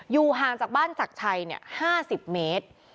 อยู่ห่างจากบ้านศักดิ์ชัยเนี่ย๕๐เมตร